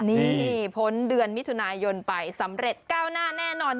นี่พ้นเดือนมิถุนายนไปสำเร็จก้าวหน้าแน่นอน